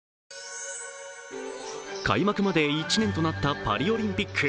開幕まで１年となったパリオリンピック。